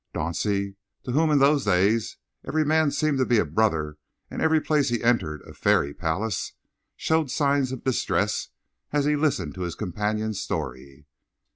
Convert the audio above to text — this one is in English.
Dauncey, to whom, in those days, every man seemed to be a brother and every place he entered a fairy palace, showed signs of distress as he listened to his companion's story.